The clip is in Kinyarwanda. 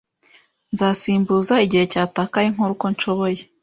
Nzasimbuza igihe cyatakaye nkora uko nshoboye.